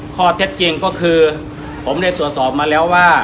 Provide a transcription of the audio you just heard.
ข้อเท็จจริงก็คือผมได้ตรวจสอบมาแล้วว่า